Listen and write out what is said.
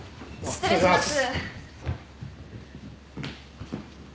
失礼します。